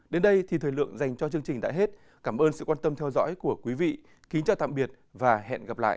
đến đây thì thời lượng dành cho chương trình đã hết cảm ơn sự quan tâm theo dõi của quý vị kính chào tạm biệt và hẹn gặp lại